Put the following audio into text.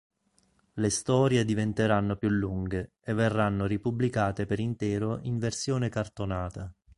Le storie diventeranno più lunghe e verranno ripubblicate per intero in versione cartonata.